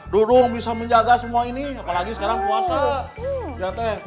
durung bisa menjaga semua ini apalagi sekarang puasa ya teh